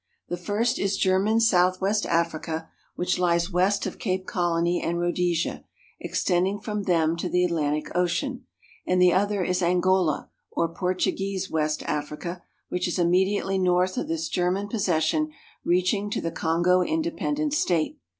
The first is German Southwest Africa, which lies west of Cape Colony and Rhodesia, extending from them to the Atlantic Ocean; and the other is Angola or Portuguese West Africa, which is immediately north of this German possession reaching to the Kongo Independent State.